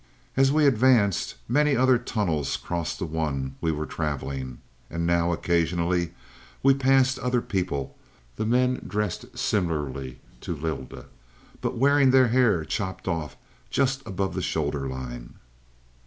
"As we advanced, many other tunnels crossed the one we were traveling. And now, occasionally, we passed other people, the men dressed similarly to Lylda, but wearing their hair chopped off just above the shoulder line.